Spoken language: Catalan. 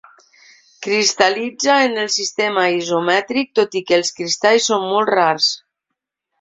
Cristal·litza en el sistema isomètric, tot i que els cristalls són molt rars.